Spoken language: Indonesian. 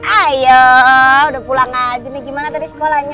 ayo udah pulang aja nih gimana tadi sekolahnya